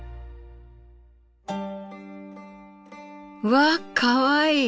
わあかわいい。